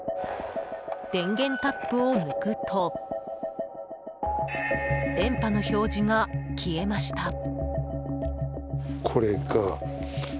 電源タップを抜くと電波の表示が消えました。